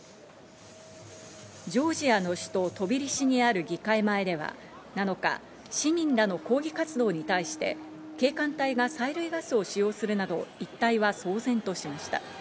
ジョージアの首都・トビリシにある議会前では７日、市民らの抗議活動に対して、警官隊が催涙ガスを使用するなど、一帯は騒然としました。